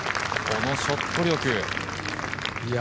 このショット力。